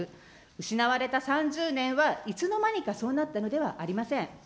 失われた３０年は、いつの間にかそうなったのではありません。